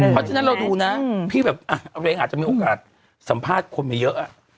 เพราะฉะนั้นเราดูนะพี่แบบเราเองอาจจะมีโอกาสสัมภาษณ์คนมาเยอะ